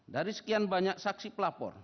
dari sekian banyak saksi pelapor